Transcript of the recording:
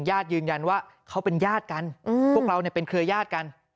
ญาติยืนยันว่าเขาเป็นญาติกันพวกเราเป็นเครือญาติกัน